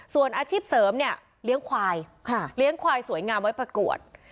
ส่วนอาชีพเสริมเนี่ยเลี้ยงควายเลี้ยงควายสวยงามไว้ประกวด